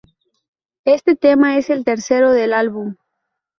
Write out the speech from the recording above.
Este tema es el tercero del álbum.